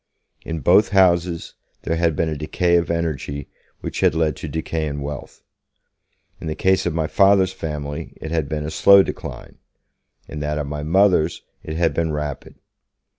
In both houses there had been a decay of energy which had led to decay in wealth. In the case of my Father's family it had been a slow decline; in that of my Mother's, it had been rapid.